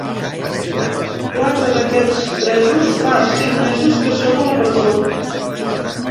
Quatre d’aquests presos fa cinc mesos que són a la presó.